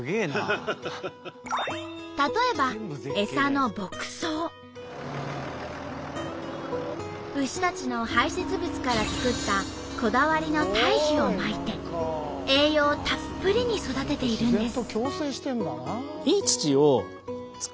例えば牛たちの排せつ物から作ったこだわりの堆肥をまいて栄養たっぷりに育てているんです。